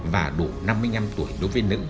và đủ năm mươi năm tuổi đối với nữ